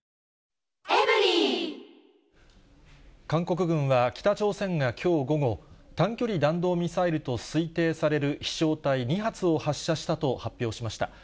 韓国軍は、北朝鮮がきょう午後、短距離弾道ミサイルと推定される飛しょう体２発を発射したと発表しました。